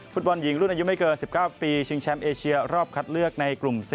ฟุตบอลหญิงรุ่นอายุไม่เกิน๑๙ปีชิงแชมป์เอเชียรอบคัดเลือกในกลุ่ม๔